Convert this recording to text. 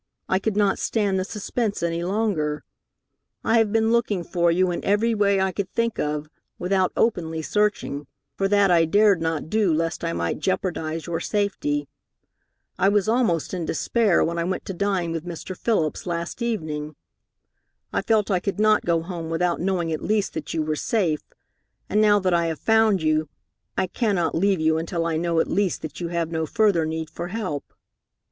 I could not stand the suspense any longer. I have been looking for you in every way I could think of, without openly searching, for that I dared not do lest I might jeopardize your safety. I was almost in despair when I went to dine with Mr. Phillips last evening. I felt I could not go home without knowing at least that you were safe, and now that I have found you, I cannot leave you until I know at least that you have no further need for help."